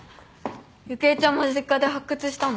ゆくえちゃんも実家で発掘したの？